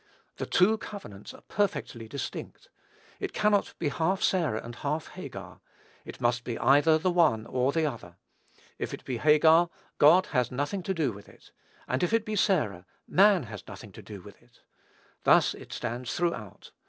The two covenants are perfectly distinct. It cannot be half Sarah and half Hagar. It must be either the one or the other. If it be Hagar, God has nothing to do with it; and if it be Sarah, man has nothing to do with it. Thus it stands throughout.